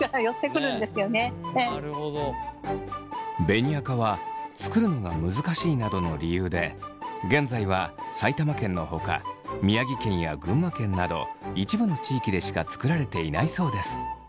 紅赤は作るのが難しいなどの理由で現在は埼玉県のほか宮城県や群馬県など一部の地域でしか作られていないそうです。